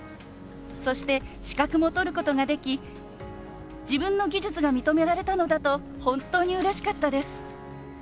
そして資格も取ることができ自分の技術が認められたのだと本当にうれしかったです。